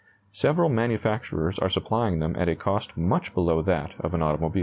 Several manufacturers are supplying them at a cost much below that of an automobile.